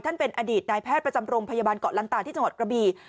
เป็นอดีตนายแพทย์ประจำโรงพยาบาลเกาะลันตาที่จังหวัดกระบี